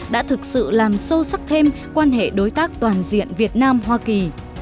đã thực sự làm sâu sắc thêm quan hệ đối tác toàn diện việt nam hoa kỳ